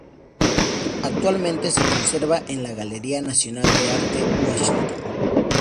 Actualmente se conserva en la Galería Nacional de Arte, Washington.